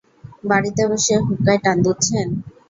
বাড়িতে বসে হুক্কায় টান দিচ্ছেন।